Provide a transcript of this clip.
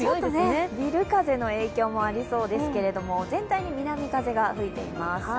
ビル風の影響もありそうですけど全体に南風が吹いています。